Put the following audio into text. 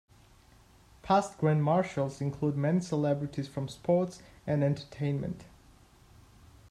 Past Grand Marshals include many celebrities from sports and entertainment.